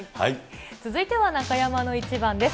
続いては中山のイチバンです。